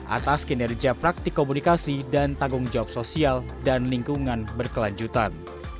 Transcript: atas kinerja praktik komunikasi dan tanggung jawab sosial dan lingkungan berkelanjutan